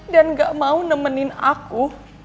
dan gak mau nemenin aku